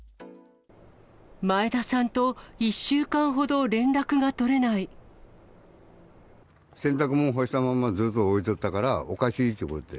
前田さんと１週間ほど連絡が洗濯物干したまま、ずっと置いとったから、おかしいということで。